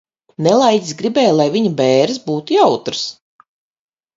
Nelaiķis gribēja, lai viņa bēres būtu jautras.